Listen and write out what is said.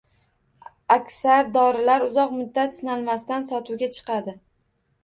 Aksar dorilar uzoq muddat sinalmasdan sotuvga chiqadi.